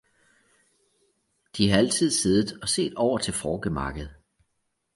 De har altid siddet og set over til forgemakket.